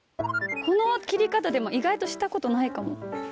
この切り方でも意外としたことないかも。